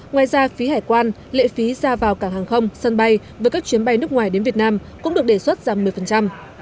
ngoài ra phí hải quan lệ phí ra vào cảng hàng không sân bay với các chuyến bay nước ngoài đến việt nam cũng được đề xuất giảm một mươi